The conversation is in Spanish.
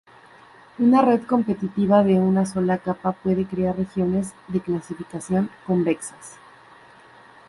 Una red competitiva de una sola capa puede crear regiones de clasificación convexas.